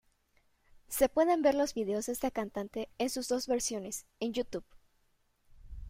Se pueden ver los vídeos de esta cantante, en sus dos versiones, en Youtube.